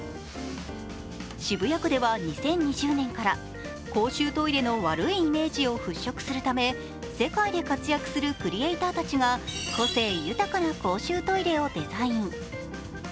渋谷区では２０２０年から公衆トイレの悪いイメージをふっしょくするため世界で活躍するクリエイターたちが個性豊かな公衆トイレをデザイン。